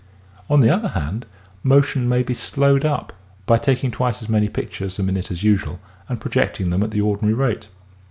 On the other hand motion may be slowed up by taking twice as many pictures a minute as usual and projecting them at the ordinary rate.